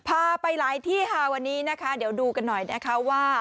พาไปหลายที่ค่ะวันนี้นะคะเดี๋ยวดูกันหน่อยนะคะว่า